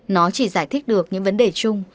nó chỉ giải thích được những vấn đề chung